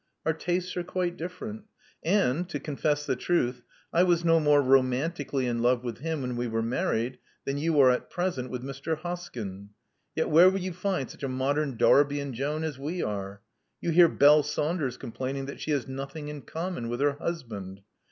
Our tastes are quite different; and, to confess the truth, I was no more romantically in love with him when we were married than you are at present with Mr. Hoskyn. Yet where will you find such a modem Darby and Joan as we are? You hear Belle Saunders complaining that she has 'nothing in common' with her husband.